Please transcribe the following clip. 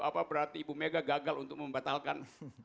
apa berarti ibu mega gagal untuk membatalkan